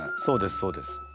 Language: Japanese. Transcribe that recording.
そうですそうです。